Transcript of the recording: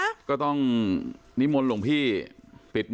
ไม่อยากให้มองแบบนั้นจบดราม่าสักทีได้ไหม